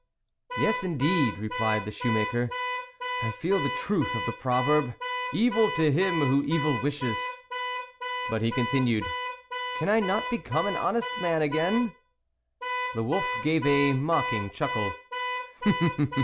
" Yes, indeed," replied the shoemaker, " I feel the truth of the proverb, ' Evil to him who evil wishes '" But, he con tinued, "can I not become an honest man again ?" The wolf gave a mocking chuckle.